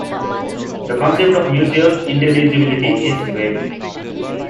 The concept of mutual intelligibility is vague.